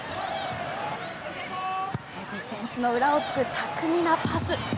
ディフェンスの裏を突く巧みなパス。